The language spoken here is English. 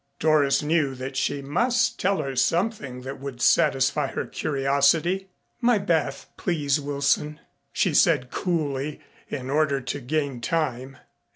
Doris knew that she must tell her something that would satisfy her curiosity. "My bath please, Wilson," she said coolly in order to gain time.